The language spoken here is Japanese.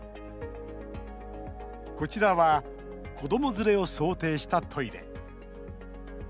こちらは子ども連れを想定したトイレ。